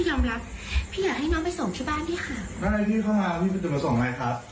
ค่ะจริงค่ะพี่สาวบ้านพี่ไม่ได้เข้าตั้งใจมาขโมยของค่ะ